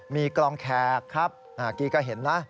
มีกลองแขกรีกตะเห็นนะ